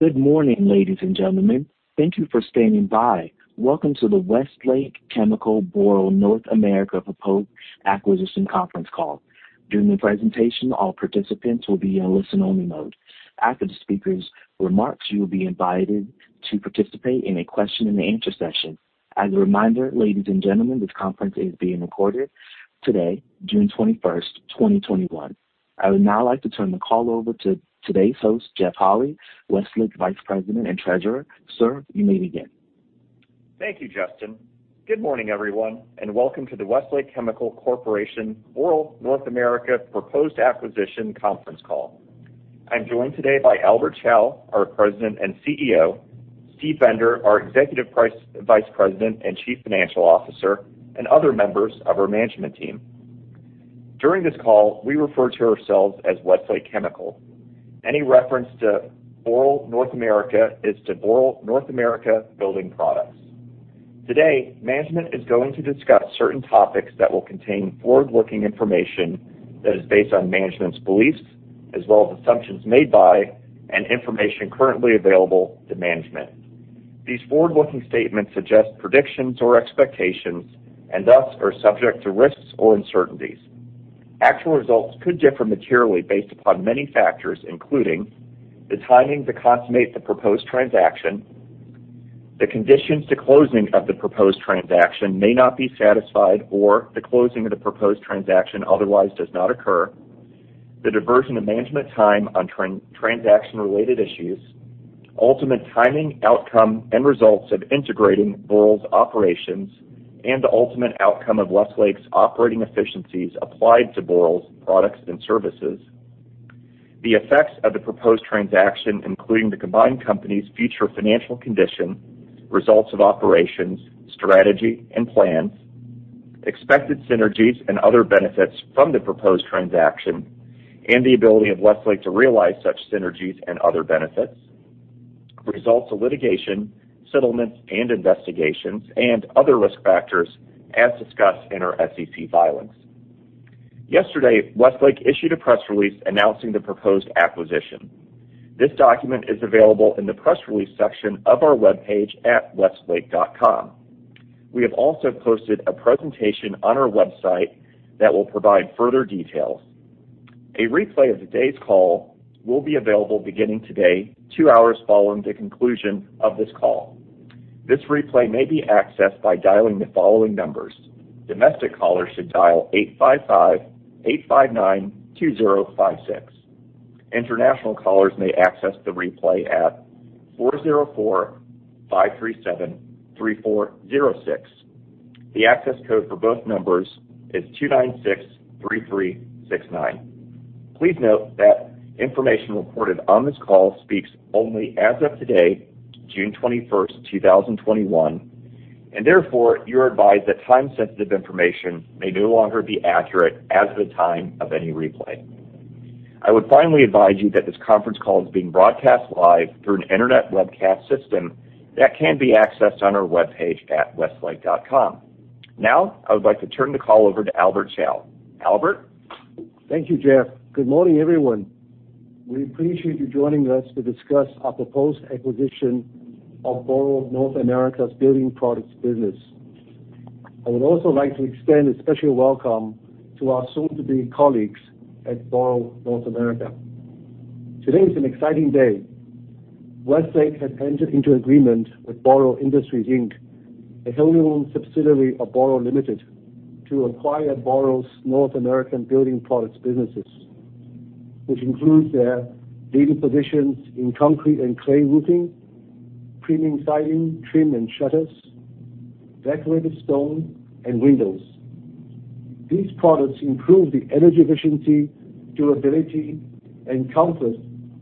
Good morning, ladies and gentlemen. Thank you for standing by. Welcome to the Westlake Chemical Boral North America Proposed Acquisition Conference Call. During the presentation, all participants will be in listen-only mode. After the speakers' remarks, you will be invited to participate in a question-and-answer session. As a reminder, ladies and gentlemen, this conference is being recorded today, June 21st, 2021. I would now like to turn the call over to today's host, Jeff Holy, Westlake Vice President and Treasurer. Sir, you may begin. Thank you, Justin. Good morning, everyone, and welcome to the Westlake Chemical Corporation Boral North America Proposed Acquisition Conference Call. I'm joined today by Albert Chao, our President and CEO, Steve Bender, our Executive Vice President and Chief Financial Officer, and other members of our management team. During this call, we refer to ourselves as Westlake Chemical. Any reference to Boral North America is to Boral North America Building Products. Today, management is going to discuss certain topics that will contain forward-looking information that is based on management's beliefs as well as assumptions made by and information currently available to management. These forward-looking statements suggest predictions or expectations and thus are subject to risks or uncertainties. Actual results could differ materially based upon many factors, including the timing to consummate the proposed transaction, the conditions to closing of the proposed transaction may not be satisfied, or the closing of the proposed transaction otherwise does not occur, the diversion of management time on transaction-related issues, ultimate timing, outcome, and results of integrating Boral's operations, and the ultimate outcome of Westlake's operating efficiencies applied to Boral's products and services, the effects of the proposed transaction, including the combined company's future financial condition, results of operations, strategy and plans, expected synergies and other benefits from the proposed transaction and the ability of Westlake to realize such synergies and other benefits, results of litigation, settlements, and investigations and other risk factors as discussed in our SEC filings. Yesterday, Westlake issued a press release announcing the proposed acquisition. This document is available in the press release section of our webpage at westlake.com. We have also posted a presentation on our website that will provide further details. A replay of today's call will be available beginning today, two hours following the conclusion of this call. This replay may be accessed by dialing the following numbers. Domestic callers should dial 855-859-2056. International callers may access the replay at 404-537-3406. The access code for both numbers is 2963369. Please note that information reported on this call speaks only as of today, June 21st, 2021, and therefore you're advised that time-sensitive information may no longer be accurate at the time of any replay. I would finally advise you that this conference call is being broadcast live through an internet webcast system that can be accessed on our webpage at westlake.com. Now, I would like to turn the call over to Albert Chao. Albert? Thank you, Jeff. Good morning, everyone. We appreciate you joining us to discuss our proposed acquisition of Boral North America's Building Products business. I would also like to extend a special welcome to our soon-to-be colleagues at Boral North America. Today is an exciting day. Westlake has entered into agreement with Boral Industries Inc., a wholly-owned subsidiary of Boral Limited, to acquire Boral's North America Building Products businesses, which includes their leading positions in concrete and clay roofing, premium siding, trim and shutters, decorative stone, and windows. These products improve the energy efficiency, durability, and comfort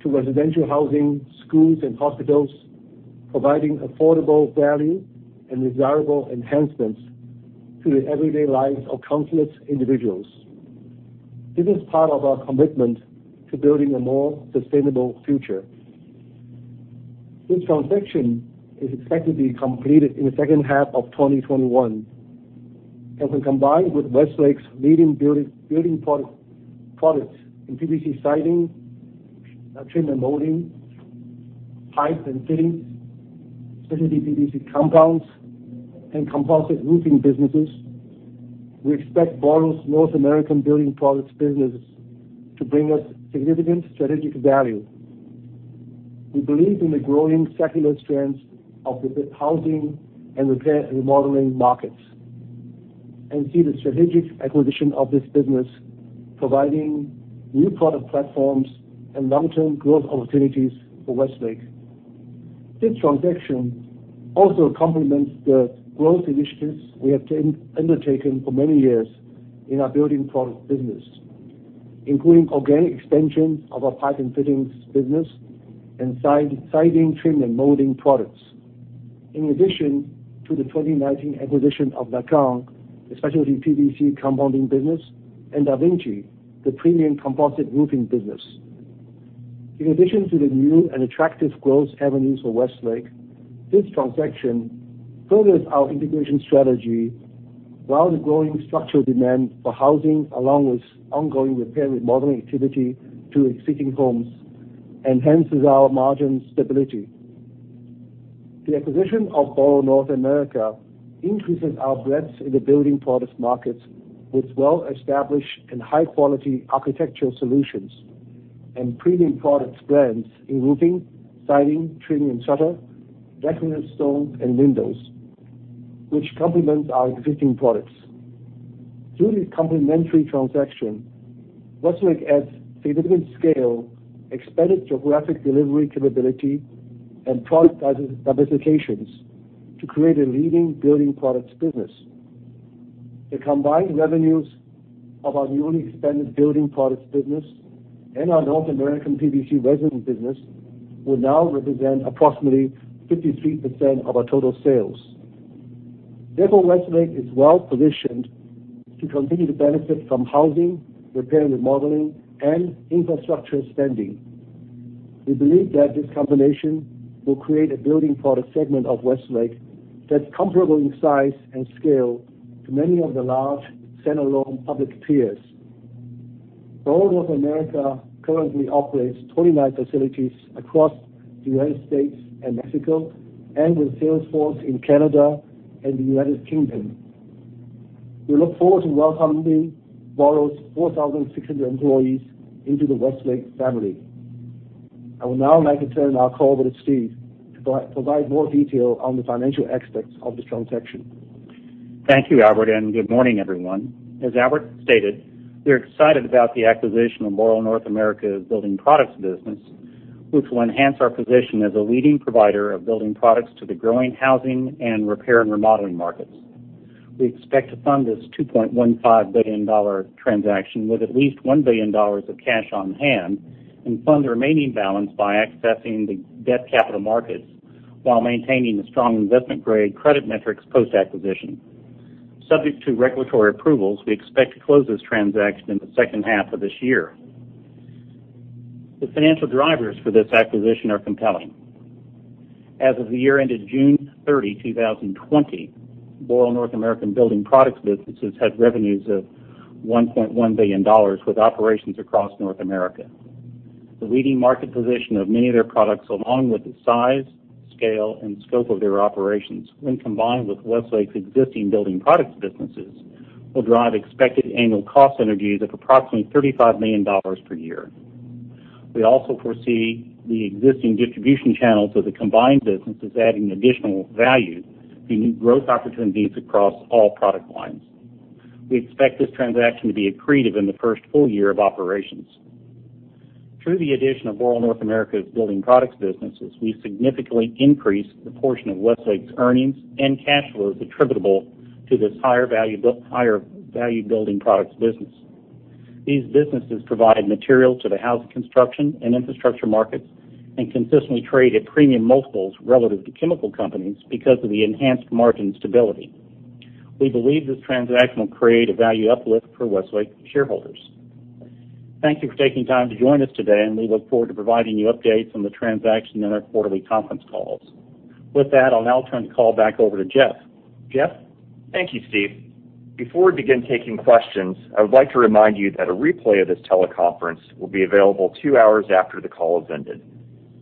to residential housing, schools, and hospitals, providing affordable value and desirable enhancements to the everyday lives of countless individuals. This is part of our commitment to building a more sustainable future. This transaction is expected to be completed in the second half of 2021 and, when combined with Westlake's leading building products in PVC siding, trim and molding, pipes and fittings, specialty PVC compounds, and composite roofing businesses, we expect Boral's North America Building Products business to bring us significant strategic value. We believe in the growing secular strength of the housing and repair and remodeling markets and see the strategic acquisition of this business providing new product platforms and long-term growth opportunities for Westlake. This transaction also complements the growth initiatives we have undertaken for many years in our building products business, including organic extensions of our pipe and fittings business and siding, trim, and molding products. In addition to the 2019 acquisition of NAKAN, the specialty PVC compounding business, and DaVinci, the premium composite roofing business. In addition to the new and attractive growth avenues for Westlake, this transaction furthers our integration strategy. While the growing structural demand for housing, along with ongoing repair and remodeling activity to existing homes enhances our margin stability. The acquisition of Boral North America increases our breadth in the building products market with well-established and high-quality architectural solutions and premium products brands in roofing, siding, trim and shutter, decorative stone, and windows, which complement our existing products. Through the complementary transaction, Westlake adds significant scale, expanded geographic delivery capability, and product diversifications to create a leading building products business. The combined revenues of our newly expanded building products business and our North American PVC resin business will now represent approximately 53% of our total sales. Therefore, Westlake is well-positioned to continue to benefit from housing, repair and remodeling, and infrastructure spending. We believe that this combination will create a building product segment of Westlake that's comparable in size and scale to many of the large standalone public peers. Boral North America currently operates 29 facilities across the United States and Mexico, and with salesforce in Canada and the United Kingdom. We look forward to welcoming Boral's 4,600 employees into the Westlake family. I will now make a turn on our call with Steve to provide more detail on the financial aspects of this transaction. Thank you, Albert, and good morning, everyone. As Albert stated, we are excited about the acquisition of Boral North America's building products business, which will enhance our position as a leading provider of building products to the growing housing and repair and remodeling markets. We expect to fund this $2.15 billion transaction with at least $1 billion of cash on hand and fund the remaining balance by accessing the debt capital markets while maintaining a strong investment-grade credit metrics post-acquisition. Subject to regulatory approvals, we expect to close this transaction in the second half of this year. The financial drivers for this acquisition are compelling. As of the year ended June 30, 2020, Boral North America Building Products businesses had revenues of $1.1 billion, with operations across North America. The leading market position of many of their products, along with the size, scale, and scope of their operations, when combined with Westlake's existing building products businesses, will drive expected annual cost synergies of approximately $35 million per year. We also foresee the existing distribution channels of the combined businesses adding additional value to new growth opportunities across all product lines. We expect this transaction to be accretive in the first full year of operations. Through the addition of Boral North America's building products businesses, we significantly increase the portion of Westlake's earnings and cash flows attributable to this higher value building products business. These businesses provide material to the house construction and infrastructure markets and consistently trade at premium multiples relative to chemical companies because of the enhanced margin stability. We believe this transaction will create a value uplift for Westlake shareholders. Thank you for taking time to join us today, and we look forward to providing you updates on the transaction in our quarterly conference calls. With that, I'll now turn the call back over to Jeff. Jeff? Thank you, Steve. Before we begin taking questions, I would like to remind you that a replay of this teleconference will be available two hours after the call has ended.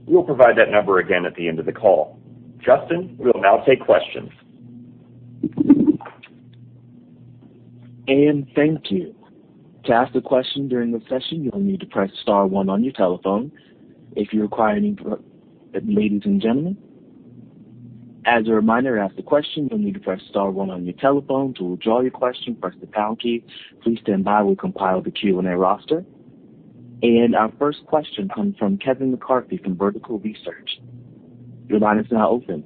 We'll provide that number again at the end of the call. Justin, we'll now take questions. And thank you. To ask a question during the session, you'll need to press star one your telephone if you inquire. As a reminder, after the question, you'll need to press star one on your telephone to withdraw your question, press the pound key. Please standby, we'll compile the Q&A roster. Our first question comes from Kevin McCarthy from Vertical Research. Your line is now open.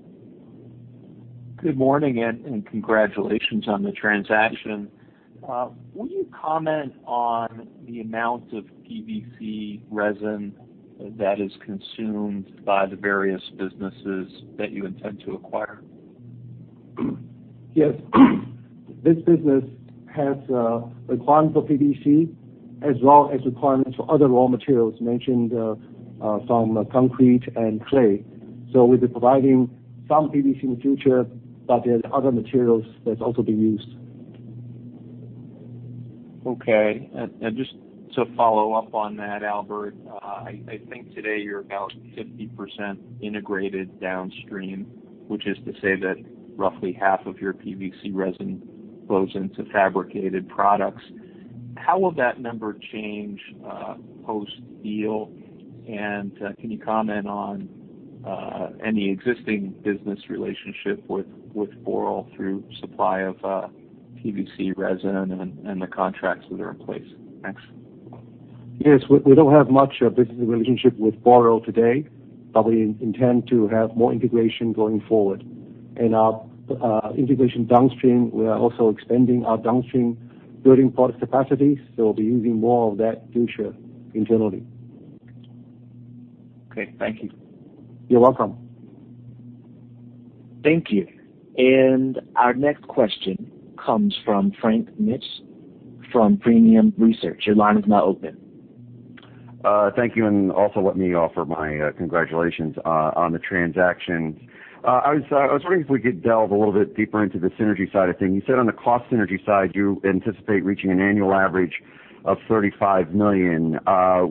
Good morning, and congratulations on the transaction. Will you comment on the amount of PVC resin that is consumed by the various businesses that you intend to acquire? Yes. This business has a requirement for PVC as well as requirements for other raw materials mentioned, from concrete and clay. We'll be providing some PVC in the future, but there's other materials that also be used. Okay. Just to follow up on that, Albert, I think today you're about 50% integrated downstream, which is to say that roughly half of your PVC resin goes into fabricated products. How will that number change post-deal? Can you comment on any existing business relationship with Boral through supply of PVC resin and the contracts that are in place? Thanks. Yes. We don't have much of a business relationship with Boral today, but we intend to have more integration going forward. Our integration downstream, we are also expanding our downstream building product capacity, so we'll be using more of that future internally. Okay. Thank you. You're welcome. Thank you. Our next question comes from Frank Mitsch from Fermium Research. Your line is now open Thank you. Also let me offer my congratulations on the transaction. I was wondering if we could delve a little bit deeper into the synergy side of things. You said on the cost synergy side, you anticipate reaching an annual average of $35 million.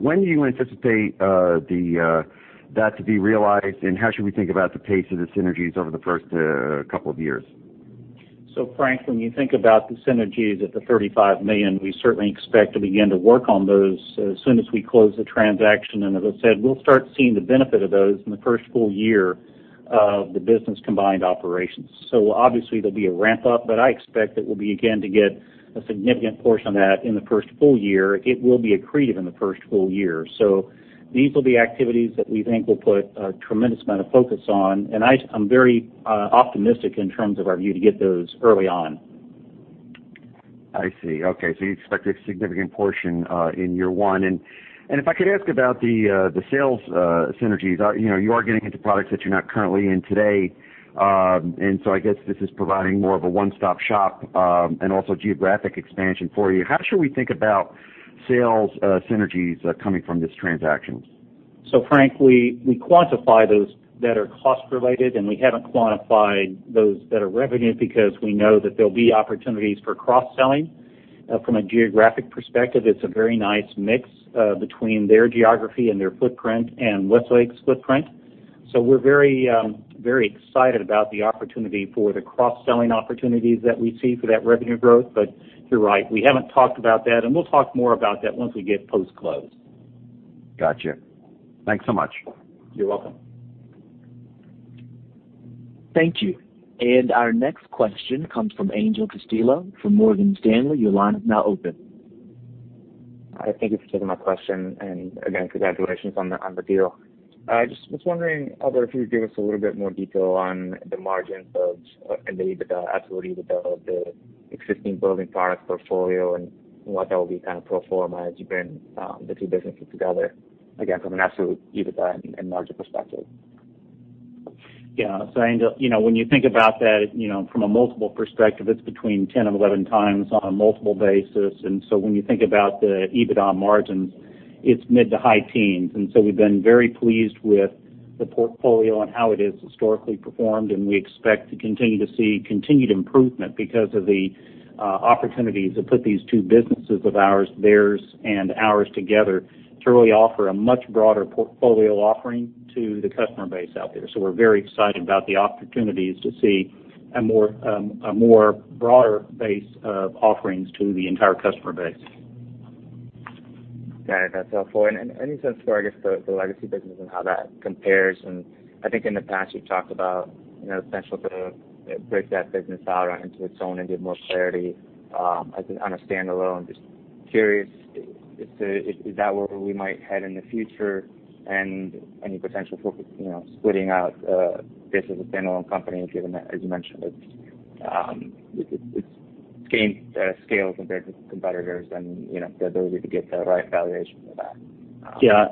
When do you anticipate that to be realized, and how should we think about the pace of the synergies over the first couple of years? Frank, when you think about the synergies at the $35 million, we certainly expect to begin to work on those as soon as we close the transaction. As I said, we'll start seeing the benefit of those in the first full year of the business combined operations. Obviously there'll be a ramp up, I expect that we'll begin to get a significant portion of that in the first full year. It will be accretive in the first full year. These will be activities that we think will put a tremendous amount of focus on, and I'm very optimistic in terms of our view to get those early on. I see. Okay. You expect a significant portion in year one. If I could ask about the sales synergies. You are getting into products that you're not currently in today. I guess this is providing more of a one stop shop and also geographic expansion for you. How should we think about sales synergies coming from this transaction? Frank, we quantify those that are cost related, and we haven't quantified those that are revenue because we know that there'll be opportunities for cross selling. From a geographic perspective, it's a very nice mix between their geography and their footprint and Westlake's footprint. We're very excited about the opportunity for the cross selling opportunities that we see for that revenue growth. You're right, we haven't talked about that, and we'll talk more about that once we get post-close. Gotcha. Thanks so much. You're welcome. Thank you. Our next question comes from Angel Castillo from Morgan Stanley. Your line is now open. I think you answered my question, and again, congratulations on the deal. I was just wondering if you could give us a little bit more detail on the margins of maybe the EBITDA of the existing building product portfolio and what that will be pro forma as you bring the two businesses together, again, from an absolute EBITDA and margin perspective. Yeah. Angel, when you think about that from a multiple perspective, it's between 10x and 11x on a multiple basis. When you think about the EBITDA margins, it's mid to high teens. We've been very pleased with the portfolio and how it has historically performed, and we expect to continue to see continued improvement because of the opportunities to put these two businesses of ours, theirs and ours together to really offer a much broader portfolio offering to the customer base out there. We're very excited about the opportunities to see a more broader base of offerings to the entire customer base. Got it. That's helpful. Any sense for, I guess the legacy business and how that compares? I think in the past you talked about potential to break that business out into its own and give more clarity as a standalone. I am just curious, is that where we might head in the future and any potential focus splitting out the business standalone company, as you mentioned, it's gained scale compared to competitors and the ability to get the right valuation for that. Yeah.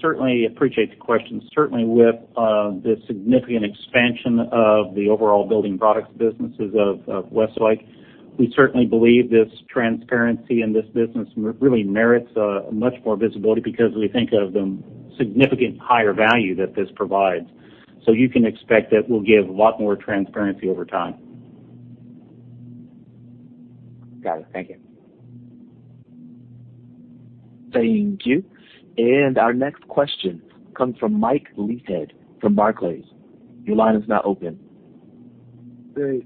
Certainly appreciate the question. Certainly with the significant expansion of the overall building products businesses of Westlake, we certainly believe this transparency in this business really merits much more visibility because we think of the significant higher value that this provides. You can expect that we'll give a lot more transparency over time. Got it. Thank you. Thank you. Our next question comes from Michael Leithead from Barclays. Your line is now open. Great.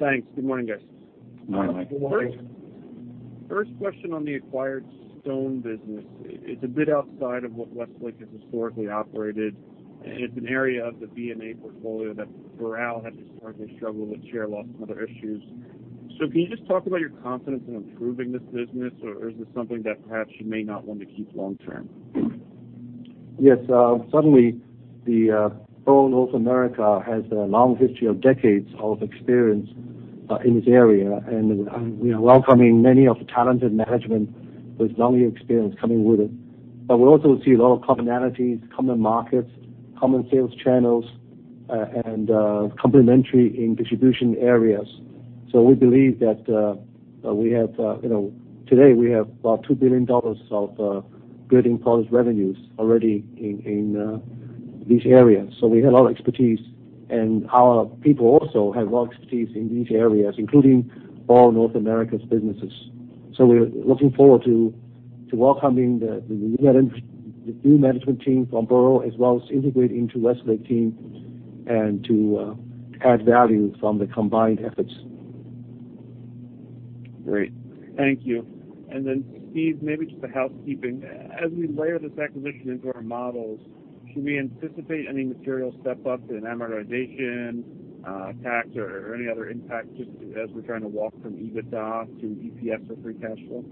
Thanks. Good morning, guys. Good morning, Mike. First question on the acquired Stone business. It's a bit outside of what Westlake has historically operated. It's an area of the BNA portfolio that Boral had historically struggled with, share loss and other issues. Can you just talk about your confidence in improving this business, or is this something that perhaps you may not want to keep long-term? Yes. Certainly, the Boral North America has a long history of decades of experience in this area, we are welcoming many of the talented management with long experience coming with it. We also see a lot of commonalities, common markets, common sales channels, and complementary in distribution areas. We believe that today we have about $2 billion of building products revenues already in these areas. We have a lot of expertise, our people also have a lot of expertise in these areas, including Boral North America's businesses. We're looking forward to welcoming the new management team from Boral as well as integrating into Westlake team and to add value from the combined efforts. Great. Thank you. Steve, maybe just a housekeeping. As we layer this acquisition into our models, should we anticipate any material step up in amortization, tax, or any other impact as we're trying to walk from EBITDA to EPS or free cash flow?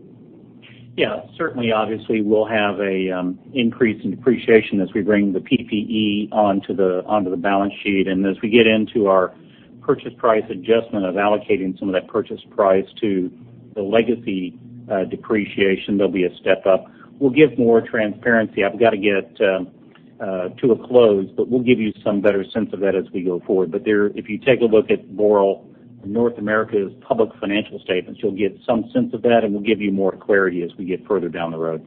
Yeah, certainly. Obviously, we'll have an increase in depreciation as we bring the PPE onto the balance sheet. As we get into our purchase price adjustment of allocating some of that purchase price to the legacy depreciation, there'll be a step up. We'll give more transparency. I've got to get to a close, but we'll give you some better sense of that as we go forward. If you take a look at Boral North America's public financial statements, you'll get some sense of that, and we'll give you more clarity as we get further down the road.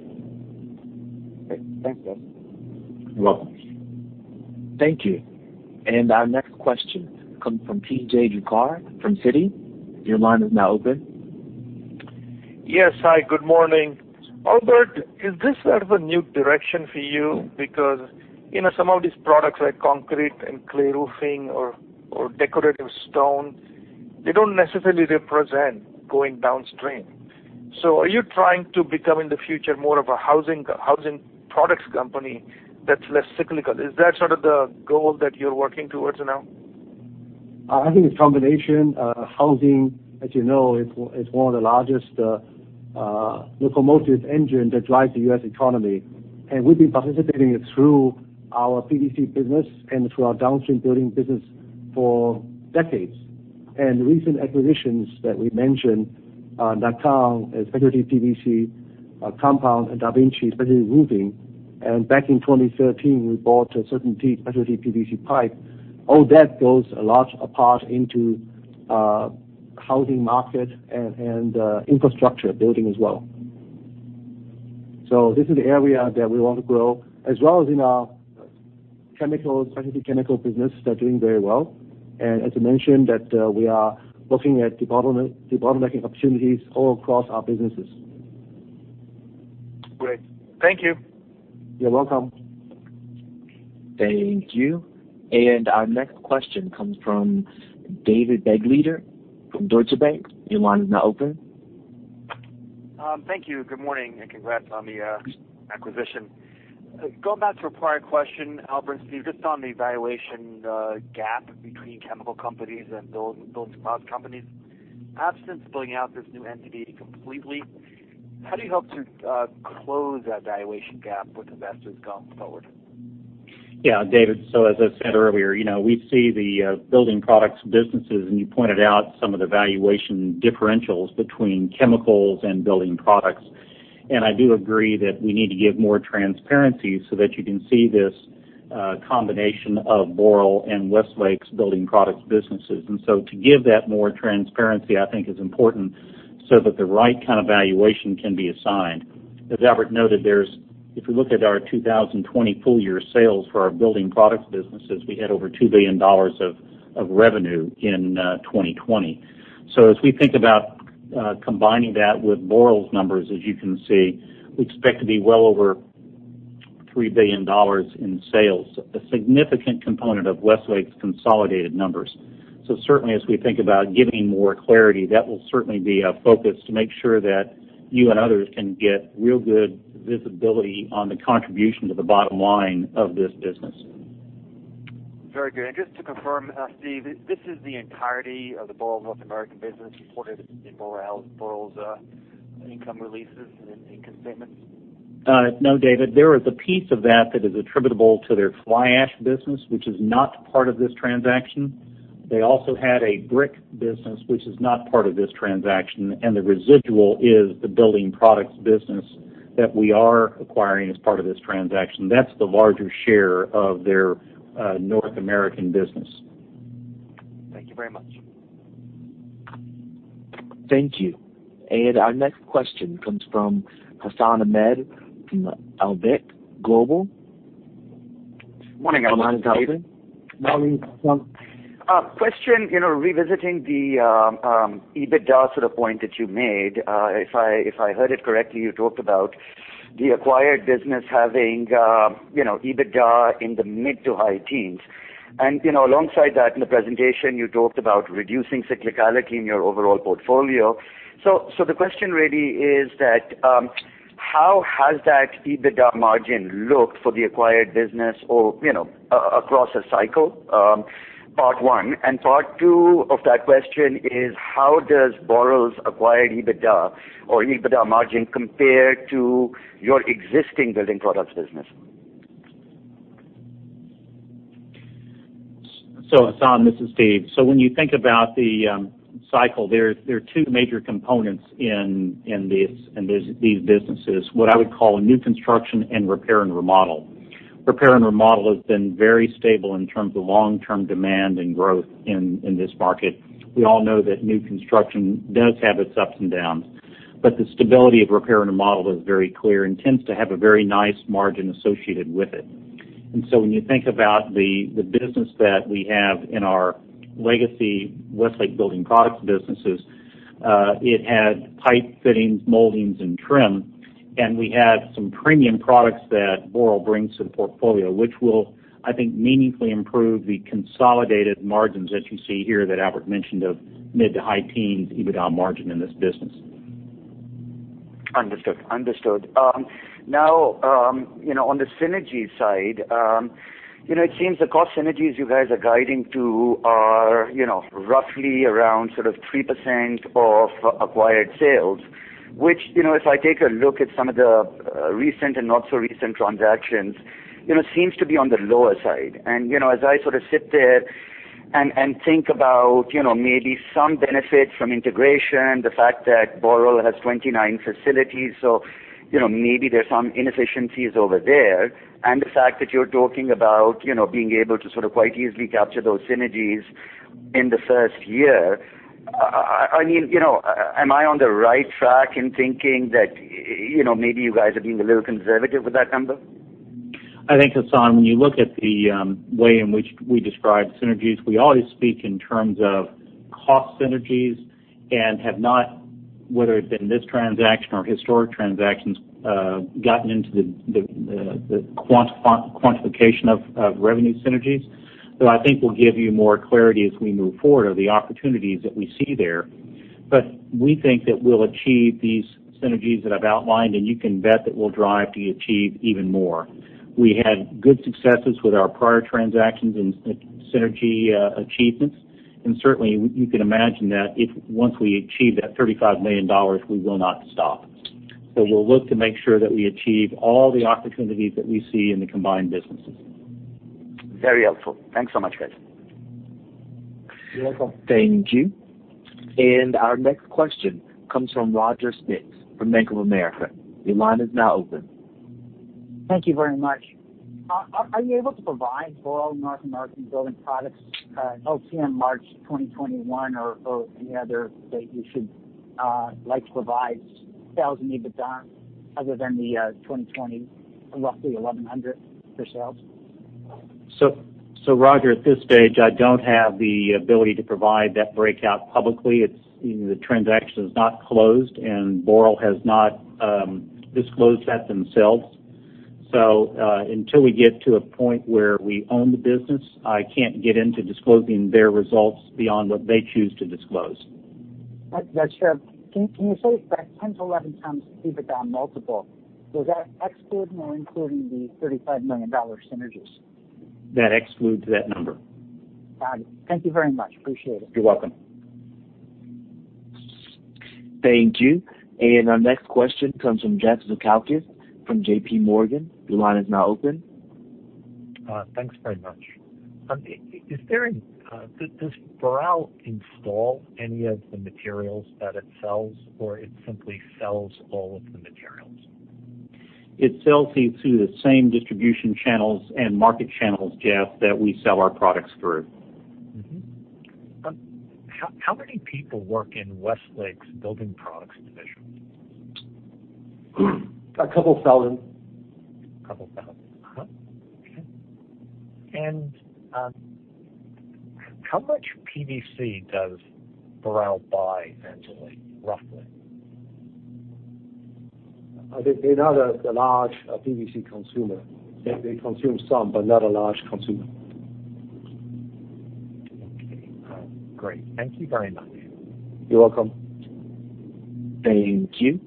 Okay. Thanks. You're welcome. Thank you. Our next question comes from P.J. Juvekar from Citi. Yes. Hi, good morning. Albert, is this sort of a new direction for you? Because some of these products, like concrete and clay roofing or decorative stone, they don't necessarily represent going downstream. Are you trying to become, in the future, more of a housing products company that's less cyclical? Is that sort of the goal that you're working towards now? I think it's a combination. Housing, as you know, is one of the largest locomotive engine that drives the U.S. economy, and we've been participating through our PVC business and through our downstream building business for decades. Recent acquisitions that we mentioned, NAKAN, specialty PVC compound, and DaVinci, specialty roofing, and back in 2013, we bought certain specialty PVC pipe. All that goes a large part into housing market and infrastructure building as well. This is an area that we want to grow, as well as in our chemicals, specialty chemical business that are doing very well. As I mentioned that we are looking at consolidative opportunities all across our businesses. Great. Thank you. You're welcome. Thank you. Our next question comes from David Begleiter from Deutsche Bank. Your line is now open. Thank you. Good morning. Congrats on the acquisition. Going back to a prior question, Albert Chao, just on the valuation gap between chemical companies and building products companies. After splitting out this new entity completely, how do you hope to close that valuation gap with investors going forward? David, as I said earlier, we see the building products businesses, and you pointed out some of the valuation differentials between chemicals and building products. I do agree that we need to give more transparency so that you can see this combination of Boral and Westlake's building products businesses. To give that more transparency, I think is important so that the right kind of valuation can be assigned. As Albert noted, if you look at our 2020 full year sales for our building products businesses, we had over $2 billion of revenue in 2020. As we think about combining that with Boral's numbers, as you can see, we expect to be well over $3 billion in sales, a significant component of Westlake's consolidated numbers. Certainly, as we think about giving more clarity, that will certainly be a focus to make sure that you and others can get real good visibility on the contribution to the bottom line of this business. Very good. Just to confirm, Steve, this is the entirety of the Boral North American business reported in Boral's income releases and income statements? No, David, there is a piece of that is attributable to their fly ash business, which is not part of this transaction. They also had a brick business, which is not part of this transaction, and the residual is the building products business that we are acquiring as part of this transaction. That's the larger share of their North American business. Thank you very much. Thank you. Our next question comes from Hassan Ahmed from Alembic Global Advisors. Morning, Albert. Your line is open. Morning. Question, revisiting the EBITDA sort of point that you made. If I heard it correctly, you talked about the acquired business having EBITDA in the mid to high teens. Alongside that, in the presentation, you talked about reducing cyclicality in your overall portfolio. The question really is that how has that EBITDA margin looked for the acquired business or across a cycle? Part one. Part two of that question is how does Boral's acquired EBITDA or EBITDA margin compare to your existing building products business? Hassan, this is Steve. When you think about the cycle, there are two major components in these businesses, what I would call new construction and repair and remodel. Repair and remodel has been very stable in terms of long-term demand and growth in this market. We all know that new construction does have its ups and downs, but the stability of repair and remodel is very clear and tends to have a very nice margin associated with it. When you think about the business that we have in our legacy Westlake building products businesses, it had pipe fittings, moldings, and trim, and we had some premium products that Boral brings to the portfolio, which will, I think, meaningfully improve the consolidated margins that you see here that Albert mentioned of mid- to high teens EBITDA margin in this business. Understood. On the synergy side, it seems the cost synergies you guys are guiding to are roughly around sort of 3% of acquired sales, which, if I take a look at some of the recent and not so recent transactions, seems to be on the lower side. As I sort of sit there and think about maybe some benefit from integration, the fact that Boral has 29 facilities, so maybe there's some inefficiencies over there, and the fact that you're talking about being able to quite easily capture those synergies in the first year, am I on the right track in thinking that maybe you guys are being a little conservative with that number? I think, Hassan, when you look at the way in which we describe synergies, we always speak in terms of cost synergies and have not, whether it be in this transaction or historic transactions, gotten into the quantification of revenue synergies. I think we'll give you more clarity as we move forward of the opportunities that we see there. We think that we'll achieve these synergies that I've outlined, and you can bet that we'll drive to achieve even more. We had good successes with our prior transactions and synergy achievements, and certainly you can imagine that if once we achieve that $35 million, we will not stop. We'll look to make sure that we achieve all the opportunities that we see in the combined businesses. Very helpful. Thanks so much, Steve. You're welcome. Thank you. Our next question comes from Roger Spitz from Bank of America. Your line is now open. Thank you very much. Are you able to provide Boral North America Building Products LTM March 2021 or any other that you should like to provide, sales and EBITDA other than the 2020 roughly $1,100 for sales? Roger, at this stage, I don't have the ability to provide that breakout publicly. The transaction is not closed, and Boral has not disclosed that themselves. Until we get to a point where we own the business, I can't get into disclosing their results beyond what they choose to disclose. That's fair. Can you say that 10x-11x EBITDA multiple, does that exclude or include the $35 million synergies? That excludes that number. Got it. Thank you very much. Appreciate it. You're welcome. Thank you. Our next question comes from Jeffrey Zekauskas from J.P. Morgan. Your line is now open. Thanks very much. Does Boral install any of the materials that it sells, or it simply sells all of the materials? It sells it through the same distribution channels and market channels, Jeff, that we sell our products through. How many people work in Westlake's Building Products division? $2,000. A couple thousand. How much PVC does Boral buy annually, roughly? They're not a large PVC consumer. They consume some, but not a large consumer. Okay, great. Thank you very much. You're welcome. Thank you.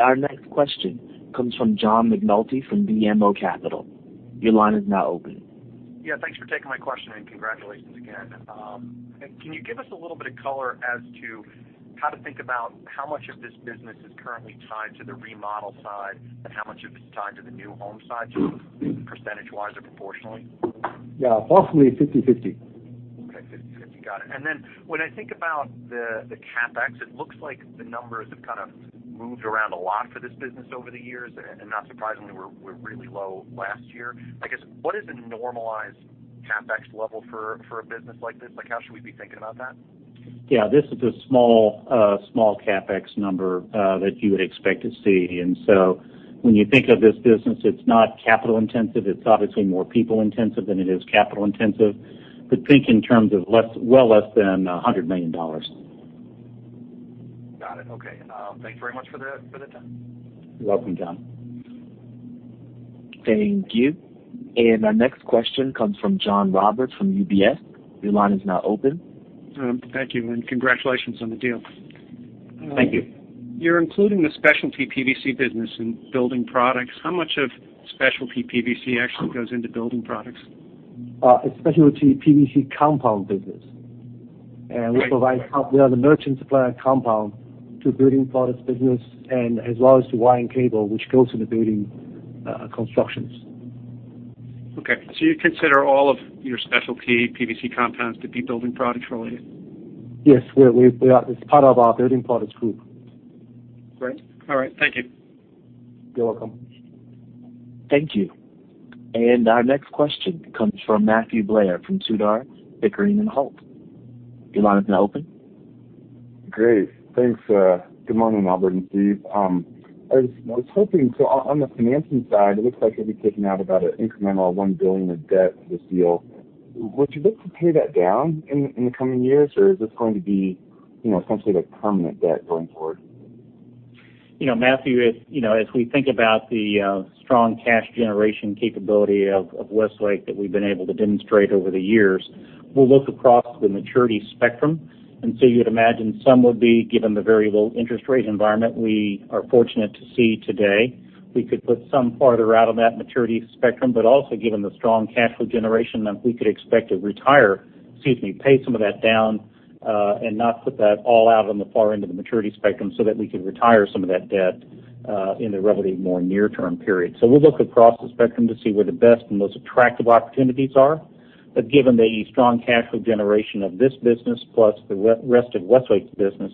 Our next question comes from John McNulty from BMO Capital. Your line is now open. Yeah, thanks for taking my question and congratulations again. Can you give us a little bit of color as to how to think about how much of this business is currently tied to the remodel side and how much of it is tied to the new home side, percentage-wise or proportionally? Yeah, roughly 50/50. Okay. 50/50. Got it. When I think about the CapEx, it looks like the numbers have kind of moved around a lot for this business over the years, and not surprisingly, were really low last year. I guess what is a normalized CapEx level for a business like this? How should we be thinking about that? Yeah, this is a small CapEx number that you would expect to see. When you think of this business, it's not capital intensive. It's obviously more people intensive than it is capital intensive. Think in terms of well less than $100 million. Got it. Okay. Thanks very much for the time. You're welcome, John. Thank you. Our next question comes from John Roberts from UBS. Your line is now open. Thank you, and congratulations on the deal. Thank you. You're including the specialty PVC business in building products. How much of specialty PVC actually goes into building products? Specialty PVC compound business. Yes. We are the merchant supplier of compound to building products business and as well as to wire and cable, which goes into building constructions. Okay. You consider all of your specialty PVC compounds to be building products really? Yes. It's part of our building products group. Great. All right. Thank you. You're welcome. Thank you. Our next question comes from Matthew Blair from Tudor, Pickering, Holt & Co. Your line is now open. Great. Thanks. Good morning, Albert and Steve. I was hoping, so on the financing side, it looks like you'll be taking out about an incremental $1 billion of debt for this deal. Would you look to pay that down in the coming years, or is this going to be essentially like permanent debt going forward? Matthew, as we think about the strong cash generation capability of Westlake that we've been able to demonstrate over the years, we'll look across the maturity spectrum. You'd imagine some would be given the very low interest rate environment we are fortunate to see today. We could put some farther out of that maturity spectrum, but also given the strong cash flow generation that we could expect to pay some of that down, and not put that all out on the far end of the maturity spectrum so that we can retire some of that debt in a relatively more near-term period. We look across the spectrum to see where the best and most attractive opportunities are. Given the strong cash flow generation of this business plus the rest of Westlake's business,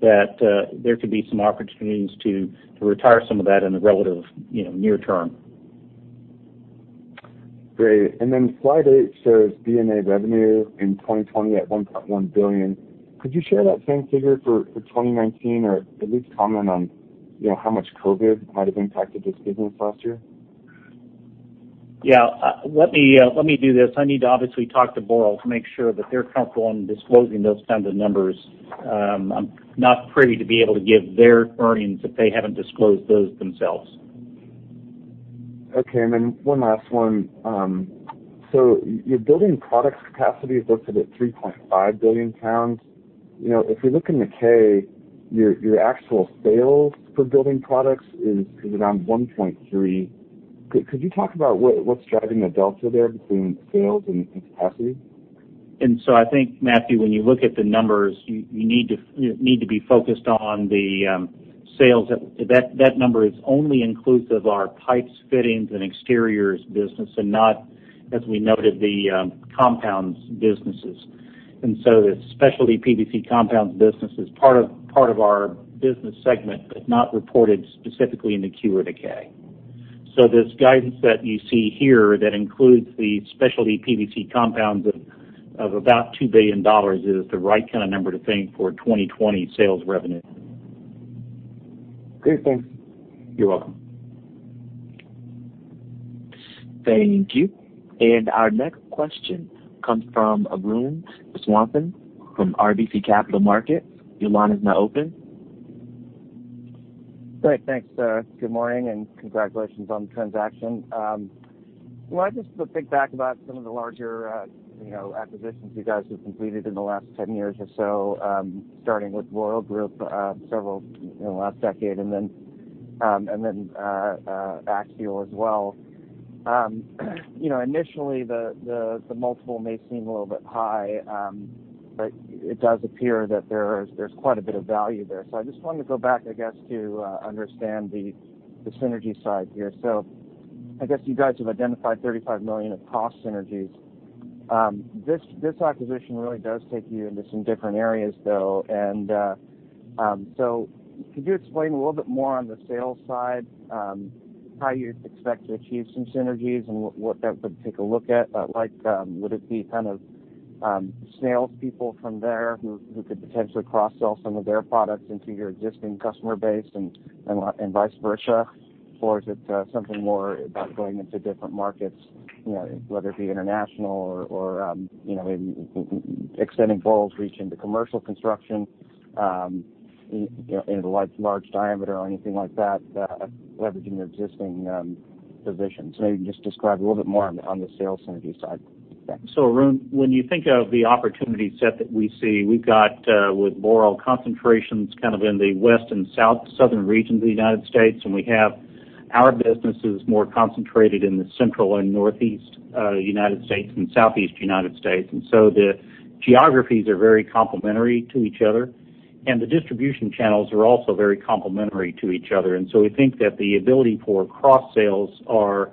that there could be some opportunities to retire some of that in the relative near-term. Great. Slide eight shows BNA revenue in 2020 at $1.1 billion. Could you share that same figure for 2019 or at least comment on how much COVID might have impacted this business last year? Yeah, let me do this. I need to obviously talk to Boral to make sure that they're comfortable in disclosing those kinds of numbers. I'm not free to be able to give their earnings if they haven't disclosed those themselves. Okay, one last one. Your building products capacity is listed at 3.5 billion pounds. If you look in the K, your actual sales for building products is around 1.3 billion. Could you talk about what's driving the delta there between sales and capacity? I think, Matthew, when you look at the numbers, you need to be focused on the sales. That number is only inclusive of our pipes, fittings, and exteriors business and not, as we noted, the compounds businesses. The specialty PVC compounds business is part of our business segment, but not reported specifically in the Q or the K. This guidance that you see here that includes the specialty PVC compounds of about $2 billion is the right kind of number to think for 2020 sales revenue. Okay, thanks. You're welcome. Thank you. Our next question comes from Arun Viswanathan from RBC Capital Markets. Your line is now open. Great, thanks. Good morning, and congratulations on the transaction. I wanted just to think back about some of the larger acquisitions you guys have completed in the last 10 years or so, starting with Boral Group in the last decade and then Axiall as well. Initially, the multiple may seem a little bit high, but it does appear that there's quite a bit of value there. I just wanted to go back, I guess, to understand the synergy side here. I guess you guys have identified $35 million of cost synergies. This acquisition really does take you into some different areas, though. Could you explain a little bit more on the sales side how you expect to achieve some synergies and what they would take a look at? Would it be kind of salespeople from there who could potentially cross-sell some of their products into your existing customer base and vice versa? Is it something more about going into different markets, whether it be international or extending Boral's reach into commercial construction in large diameter or anything like that, leveraging your existing positions? Maybe just describe a little bit more on the sales synergy side. Thanks. Arun, when you think of the opportunity set that we see, we've got with Boral concentrations kind of in the West and South, southern regions of the U.S., and we have our businesses more concentrated in the Central and Northeast U.S. and Southeast U.S. The geographies are very complementary to each other, and the distribution channels are also very complementary to each other. We think that the ability for cross-sales are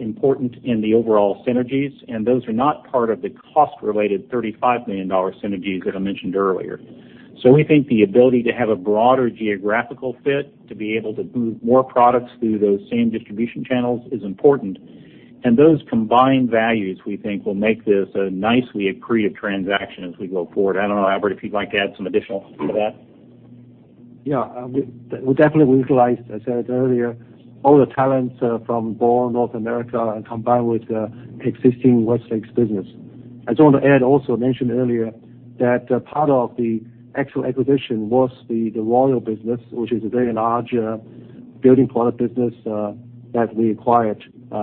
important in the overall synergies, and those are not part of the cost-related $35 million synergies that I mentioned earlier. We think the ability to have a broader geographical fit to be able to move more products through those same distribution channels is important. Those combined values, we think, will make this a nicely accretive transaction as we go forward. I don't know, Albert, if you'd like to add some additional to that? Yeah. We definitely utilized, as I said earlier, all the talents from Boral North America combined with existing Westlake's business. I just want to add, also mentioned earlier that part of the Axiall acquisition was the Boral business, which is a very large building product business that we acquired,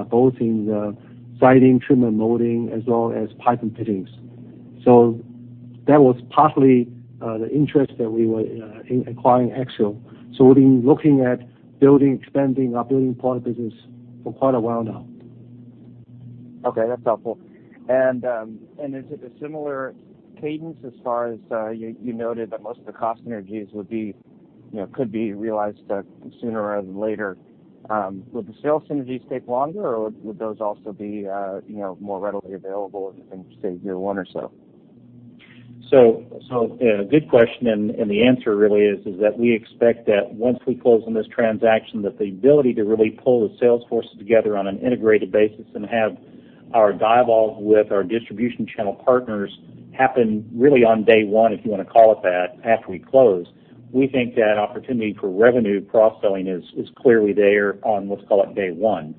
both in the siding, trim, and molding, as well as pipe and fittings. That was partly the interest that we were in acquiring Axiall. We've been looking at building, expanding our building product business for quite a while now. Okay, that's helpful. Is it a similar cadence as far as you noted that most of the cost synergies could be realized sooner rather than later? Will the sales synergies take longer, or would those also be more readily available in, say, year one or so? A good question, and the answer really is that we expect that once we close on this transaction, that the ability to really pull the sales forces together on an integrated basis and have our dialogues with our distribution channel partners happen really on day one, if you want to call it that, after we close. We think that opportunity for revenue cross-selling is clearly there on, let's call it day one.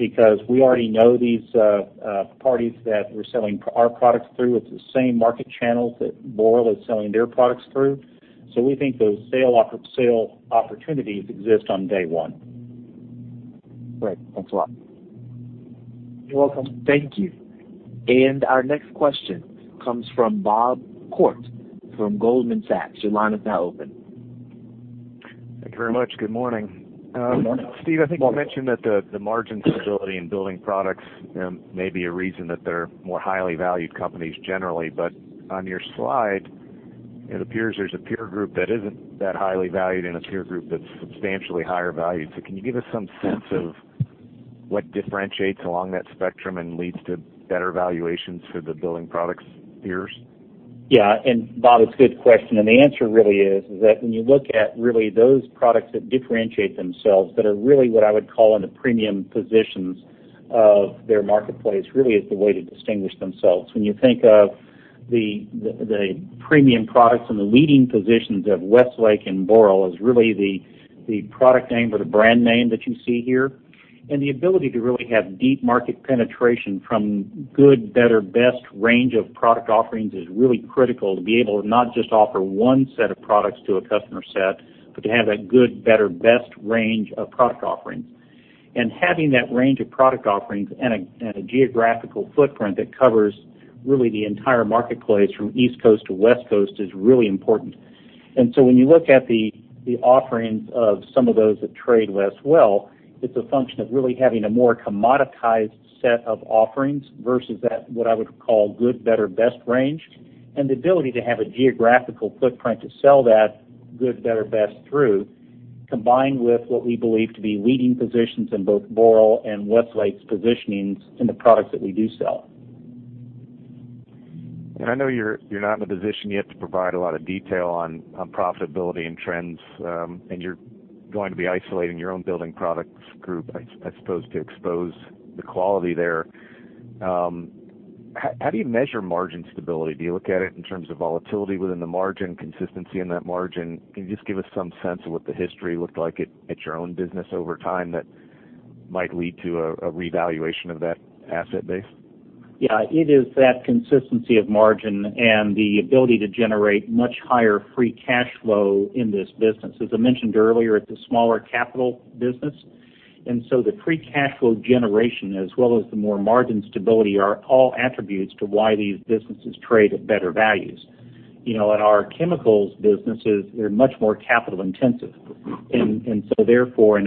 Because we already know these parties that we're selling our products through. It's the same market channels that Boral is selling their products through. We think those sale opportunities exist on day one. Great. Thanks a lot. You're welcome. Thank you. Our next question comes from Bob Koort from Goldman Sachs. Your line is now open. Thank very much. Good morning. Good morning. Steve, I think you mentioned that the margin stability in Building Products may be a reason that they're more highly valued companies generally. On your slide, it appears there's a peer group that isn't that highly valued and a peer group that's substantially higher valued. Can you give us some sense of what differentiates along that spectrum and leads to better valuations for the Building Products peers? Yeah. Bob, it's a good question. The answer really is that when you look at really those products that differentiate themselves, that are really what I would call in the premium positions of their marketplace, really is the way to distinguish themselves. When you think of the premium products and the leading positions of Westlake and Boral is really the product name or the brand name that you see here. The ability to really have deep market penetration from good, better, best range of product offerings is really critical to be able to not just offer 1 set of products to a customer set, but to have that good, better, best range of product offerings. Having that range of product offerings and a geographical footprint that covers really the entire marketplace from East Coast to West Coast is really important. When you look at the offerings of some of those that trade less well, it's a function of really having a more commoditized set of offerings versus that, what I would call good, better, best range, and the ability to have a geographical footprint to sell that good, better, best through, combined with what we believe to be leading positions in both Boral and Westlake's positionings in the products that we do sell. I know you're not in a position yet to provide a lot of detail on profitability and trends, and you're going to be isolating your own Building Products Group, I suppose, to expose the quality there. How do you measure margin stability? Do you look at it in terms of volatility within the margin, consistency in that margin? Can you just give us some sense of what the history looked like at your own business over time that might lead to a revaluation of that asset base? Yeah. It is that consistency of margin and the ability to generate much higher free cash flow in this business. As I mentioned earlier, it's a smaller capital business, and so the free cash flow generation, as well as the more margin stability, are all attributes to why these businesses trade at better values. In our chemicals businesses, they're much more capital intensive. In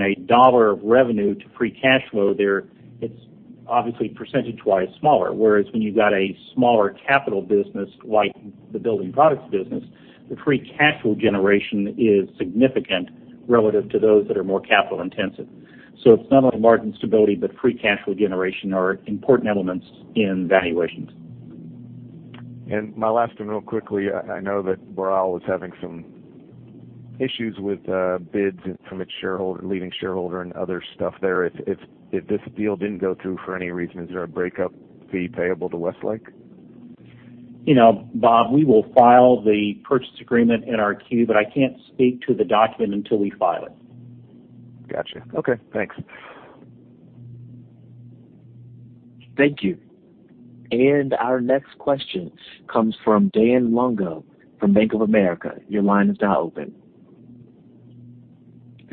a dollar of revenue to free cash flow there, it's obviously percentage-wise smaller. Whereas when you've got a smaller capital business like the Building Products business, the free cash flow generation is significant relative to those that are more capital intensive. It's some of the margin stability, but free cash flow generation are important elements in valuations. My last one real quickly, I know that Boral was having some issues with bids and some of its leading shareholder and other stuff there. If this deal didn't go through for any reason, is there a breakup fee payable to Westlake? Bob, we will file the purchase agreement in our Q, but I can't speak to the document until we file it. Got you. Okay, thanks. Thank you. Our next question comes from Dan Lungo from Bank of America. Your line is now open.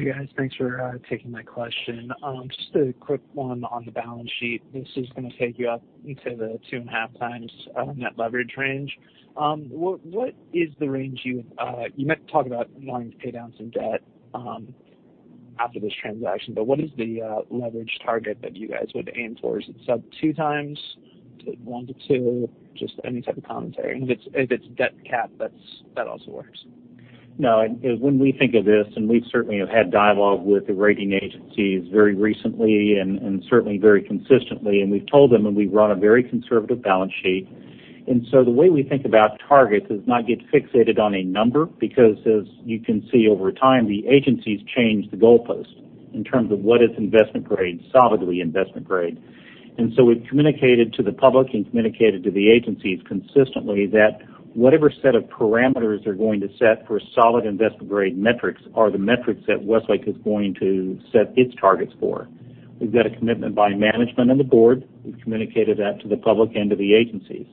Hey, guys, thanks for taking my question. Just a quick one on the balance sheet. This is going to take you up into the 2.5x net leverage range. You might talk about wanting to pay down some debt after this transaction, what is the leverage target that you guys would aim for? Is it sub 2x to 1x-2x? Just any type of commentary. If it's debt cap, that also works. No, when we think of this, and we certainly have had dialogue with the rating agencies very recently and certainly very consistently, and we've told them that we run a very conservative balance sheet. The way we think about targets is not get fixated on a number, because as you can see over time, the agencies change the goalpost in terms of what is investment grade, solidly investment grade. We've communicated to the public and communicated to the agencies consistently that whatever set of parameters they're going to set for solid investment grade metrics are the metrics that Westlake is going to set its targets for. We've got a commitment by management and the board. We've communicated that to the public and to the agencies.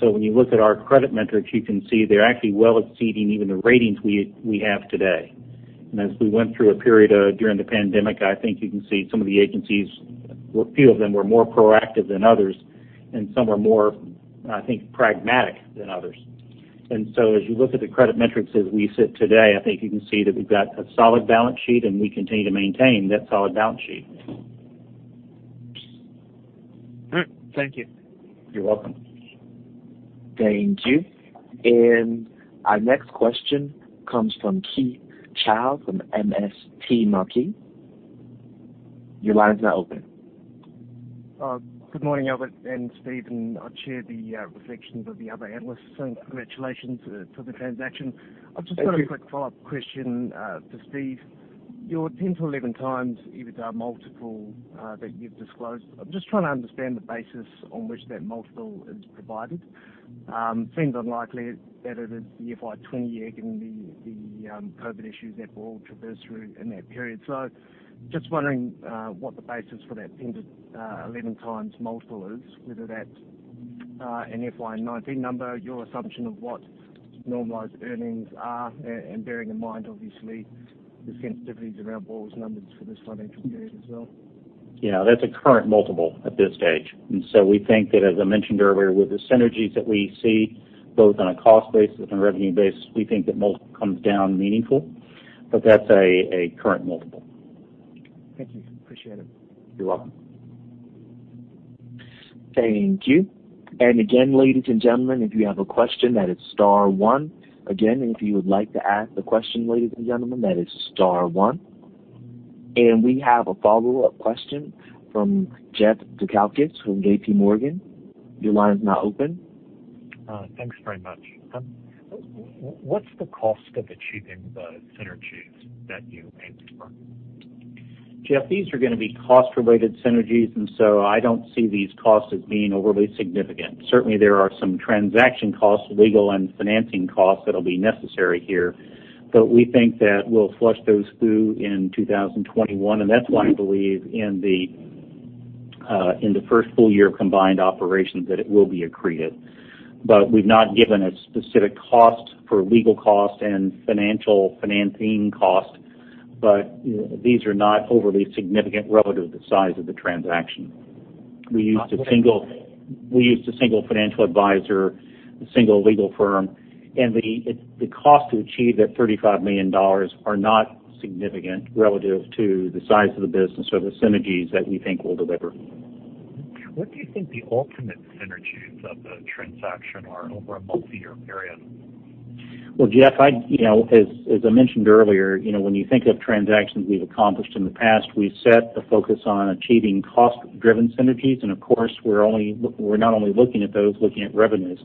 When you look at our credit metrics, you can see they're actually well exceeding even the ratings we have today. As we went through a period during the pandemic, I think you can see some of the agencies, a few of them were more proactive than others, and some were more, I think, pragmatic than others. As you look at the credit metrics as we sit today, I think you can see that we've got a solid balance sheet and we continue to maintain that solid balance sheet. Great. Thank you. You're welcome. Thank you. Our next question comes from Keith Chau from MST Marquee. Your line is now open. Good morning, Albert and Steve, I share the reflections of the other analysts and congratulations for the transaction. Thank you. I'll just ask a quick follow-up question for Steve Bender. Your 10x-11x EBITDA multiple that you've disclosed, I'm just trying to understand the basis on which that multiple is provided. Seems unlikely that it is the FY 2020 year, given the COVID issues that Boral traversed through in that period. Just wondering what the basis for that 10x-11x multiple is, whether that's an FY 2019 number, your assumption of what normalized earnings are, and bearing in mind, obviously, the sensitivity of our Boral's numbers for the 2017 period as well. Yeah, that's a current multiple at this stage. We think that, as I mentioned earlier, with the synergies that we see both on a cost basis and revenue basis, we think the multiple comes down meaningful, but that's a current multiple. Thank you. Appreciate it. You're welcome. Thank you. Again, ladies and gentlemen, if you have a question, that is star one. Again, if you would like to ask a question, ladies and gentlemen, that is star one. We have a follow-up question from Jeffrey Zekauskas from J.P. Morgan. Your line is now open. Thanks very much. What's the cost of achieving the synergies that you aim for? Jeff, these are going to be cost-related synergies. I don't see these costs as being overly significant. Certainly, there are some transaction costs, legal and financing costs that'll be necessary here. We think that we'll flush those through in 2021, and that's why we believe in the first full year combined operations that it will be accretive. We've not given a specific cost for legal cost and financial financing cost. These are not overly significant relative to the size of the transaction. We used a single financial advisor, a single legal firm, and the cost to achieve that $35 million are not significant relative to the size of the business or the synergies that we think we'll deliver. What do you think the ultimate synergies of the transaction are over a multi-year period? Well, Jeff, as I mentioned earlier, when you think of transactions we've accomplished in the past, we set the focus on achieving cost-driven synergies. Of course, we're not only looking at those, looking at revenues.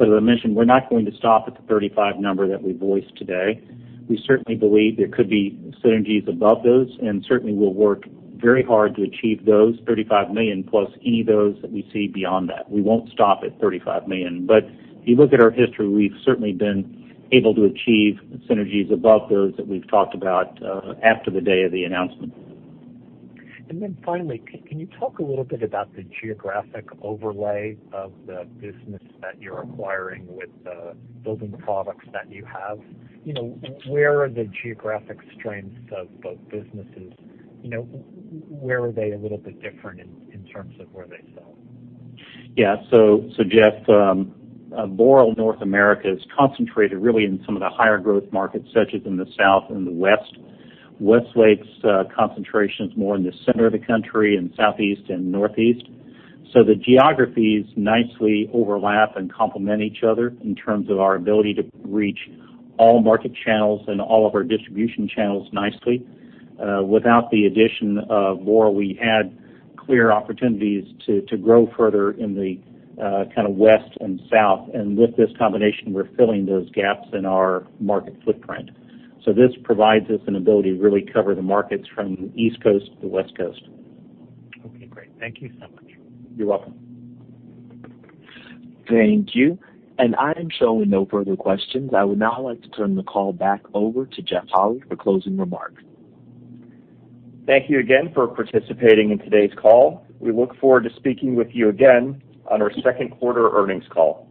As I mentioned, we're not going to stop at the 35 number that we voiced today. We certainly believe there could be synergies above those, and certainly we'll work very hard to achieve those $35 million plus any of those that we see beyond that. We won't stop at $35 million. If you look at our history, we've certainly been able to achieve synergies above those that we've talked about after the day of the announcement. Finally, can you talk a little bit about the geographic overlay of the business that you're acquiring with the building products that you have? Where are the geographic strengths of both businesses? Where are they a little bit different in terms of where they sell? Yeah. Jeff, Boral North America is concentrated really in some of the higher growth markets, such as in the South and the West. Westlake's concentration is more in the center of the country and Southeast and Northeast. The geographies nicely overlap and complement each other in terms of our ability to reach all market channels and all of our distribution channels nicely. Without the addition of Boral, we had clear opportunities to grow further in the kind of West and South. With this combination, we're filling those gaps in our market footprint. This provides us an ability to really cover the markets from the East Coast to the West Coast. Okay, great. Thank you so much. You're welcome. Thank you. I am showing no further questions. I would now like to turn the call back over to Jeff Holy for closing remarks. Thank you again for participating in today's call. We look forward to speaking with you again on our second quarter earnings call.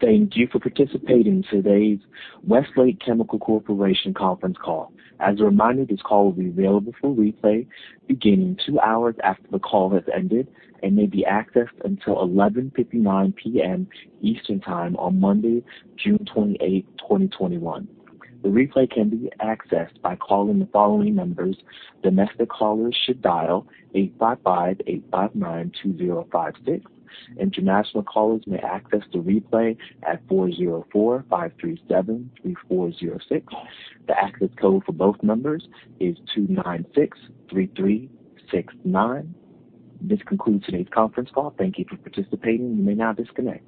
Thank you for participating in today's Westlake Chemical Corporation conference call. As a reminder, this call will be available for replay beginning two hours after the call has ended and may be accessed until 11:59 PM Eastern Time on Monday, June 28th, 2021. The replay can be accessed by calling the following numbers. Domestic callers should dial 855-859-2056. International callers may access the replay at 404-537-3406. The access code for both numbers is 2963369. This concludes today's conference call. Thank you for participating. You may now disconnect.